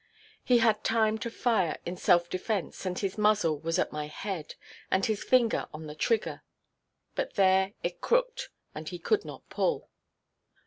He had time to fire in self–defence, and his muzzle was at my head, and his finger on the trigger; but there it crooked, and he could not pull.